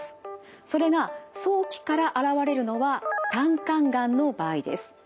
それが早期から現れるのは胆管がんの場合です。